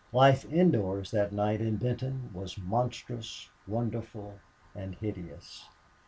Life indoors that night in Benton was monstrous, wonderful, and hideous.